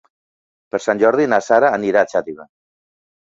Per Sant Jordi na Sara anirà a Xàtiva.